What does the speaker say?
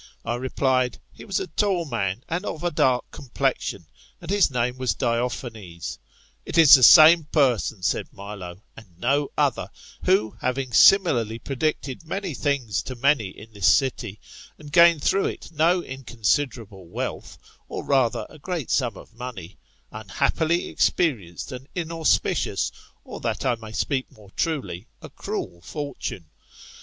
I replied. He was a tall man, and of a dark complexion, and his name was Diophanes. '* It is the same person, said Milo, and no other, who having similarly predicted many things to many in this city, and gained through it no inconsiderable wealth, or rather a great sum of money, unhappily experienced an inauspicious, or, that I may speak more truly, a cruel fortune.